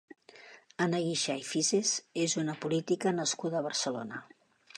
Anna Guixà i Fisas és una política nascuda a Barcelona.